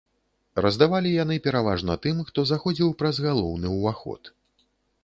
Раздавалі яны пераважна тым, хто заходзіў праз галоўны ўваход.